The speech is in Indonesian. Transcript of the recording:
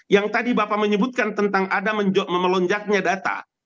yang tadi bapak menyebutkan tentang ada memelonjaknya data